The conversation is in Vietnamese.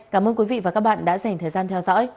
cảm ơn quý vị và các bạn đã dành thời gian theo dõi